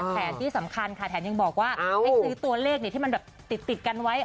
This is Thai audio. แถนที่สำคัญค่ะแถนยังบอกว่าเอาสือตัวเลขเนี่ยที่มันแบบติดกันไว้